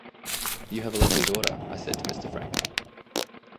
'You have a lovely daughter', I said to Mr. Frank.